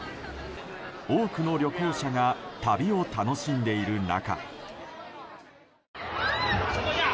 多くの旅行者が旅を楽しんでいる中。